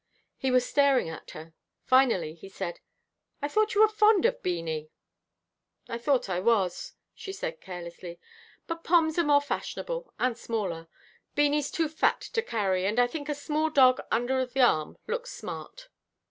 He was staring at her. Finally he said, "I thought you were fond of Beanie." "I thought I was," she said carelessly, "but Poms are more fashionable, and smaller. Beanie's too fat to carry, and I think a small dog under the arm looks smart."